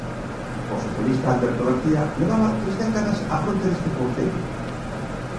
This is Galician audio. O socialista Alberto García levaba tres décadas á fronte deste concello.